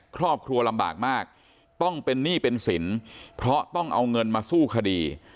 ครอบครัวลำบากมากต้องเป็นหนี้เป็นสินเพราะต้องเอาเงินมาสู้คดี